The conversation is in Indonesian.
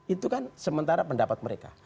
itu kan sementara pendapat mereka